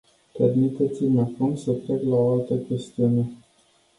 Permiteți-mi acum să trec la o altă chestiune.